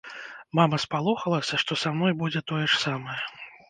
Мама спалохалася, што са мной будзе тое ж самае.